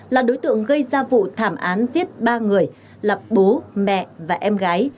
là đối tượng gây ra vụ thảm án giết ba người là bố mẹ và em gái